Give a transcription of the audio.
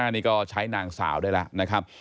๑๕นี่ก็ใช้นางสาวด้วยล่ะนะครับ